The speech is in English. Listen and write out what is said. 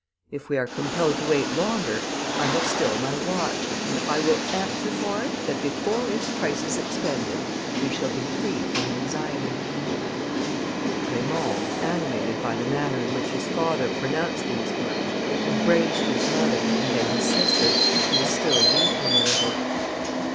If we are compelled to wait longer, I have still my watch, and I will answer for it, that before its price is expended, we shall be free from anxiety." Raymond, animated by the manner in which his father pronounced these words, embraced his mother, and then his sister, who was still weeping a little.